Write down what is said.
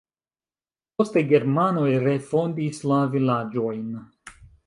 Poste germanoj refondis la vilaĝojn.